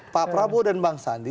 pak prabowo dan bang sandi